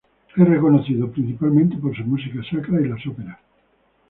Es reconocido principalmente por su música sacra y óperas.